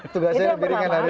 tugasnya yang diringan aja nih